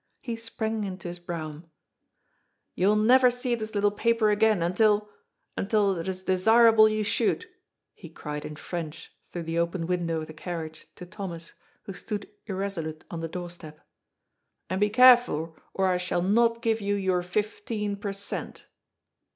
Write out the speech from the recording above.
He sprang into his brougham. ^^ You will never see this little paper again until — until it is desirable you should," he cried in French through the open window of the carriage to Thomas, who stood irreso lute on the doorstep. " And be careful, or I shall not give you your fifteen per cent."